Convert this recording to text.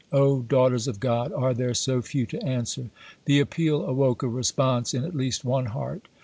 Oh, daughters of God, are there so few to answer?" The appeal awoke a response in at least one heart.